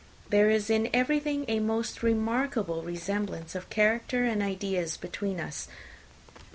There is in everything a most remarkable resemblance of character and ideas between us.